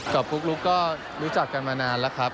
ปุ๊กลุ๊กก็รู้จักกันมานานแล้วครับ